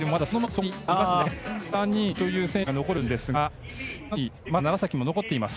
本来は上位３人という選手たちが残るんですがまだ楢崎も残っています。